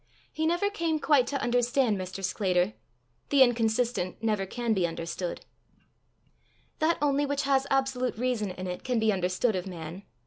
He never came quite to understand Mr. Sclater: the inconsistent never can be understood. That only which has absolute reason in it can be understood of man.